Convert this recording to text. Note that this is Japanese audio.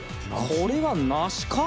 これは梨か？